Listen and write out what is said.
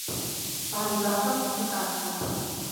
ბარი-ბარსა, თოხი-ტარსა